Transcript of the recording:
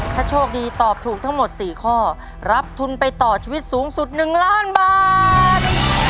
ถ้าโชคดีตอบถูกทั้งหมด๔ข้อรับทุนไปต่อชีวิตสูงสุด๑ล้านบาท